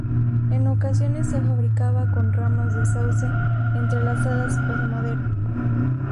En ocasiones se fabricaba con ramas de sauce entrelazadas o de madera.